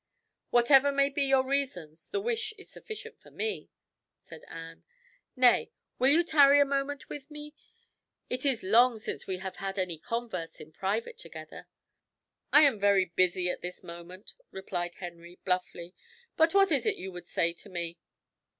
"Whatever may be your reasons, the wish is sufficient for me," said Anne. "Nay, will you tarry a moment with me? It is long since we have had any converse in private together." "I am busy at this moment," replied Henry bluffly; "but what is it you would say to me?"